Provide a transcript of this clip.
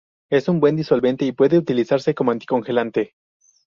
Es un buen disolvente, y puede utilizarse como anticongelante.